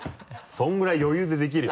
それぐらい余裕でできるよ。